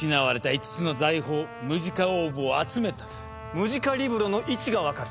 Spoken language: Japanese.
ムジカリブロの位置が分かる。